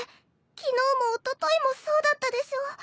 昨日もおとといもそうだったでしょ？